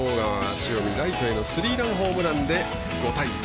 塩見、ライトへのスリーランホームランで５対１。